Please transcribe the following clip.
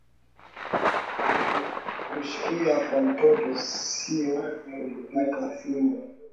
Kushikia kwa mtoto sio kumupika fimbo